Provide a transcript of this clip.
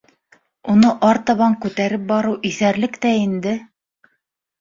Уны артабан күтәреп барыу иҫәрлек тә инде.